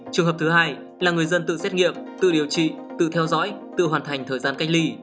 trường hợp thứ hai là người dân tự xét nghiệm tự điều trị tự theo dõi tự hoàn thành thời gian cách ly